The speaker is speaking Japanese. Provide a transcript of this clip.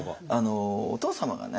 お父様がね